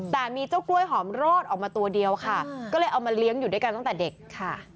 แต่มีเจ้ากล้วยหอมรอดออกมาตัวเดียวค่ะก็เลยเอามาเลี้ยงอยู่ด้วยกันตั้งแต่เด็กค่ะ